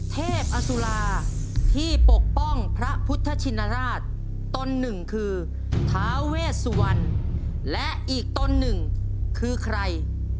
พอสุราที่ปกป้องพระพุทธชินราชตนหนึ่งคือท้าเวสวรรณและอีกตนหนึ่งคือใคร